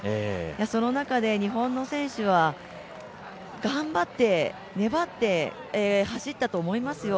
その中で日本の選手は頑張って粘って走ったと思いますよ。